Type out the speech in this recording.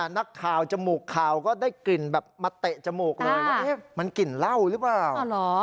นักข่าวจมูกข่าวก็ได้กลิ่นแบบมาเตะจมูกเลยว่ามันกลิ่นเหล้าหรือเปล่า